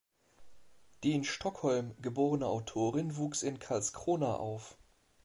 Die in Stockholm geborene Autorin wuchs in Karlskrona auf.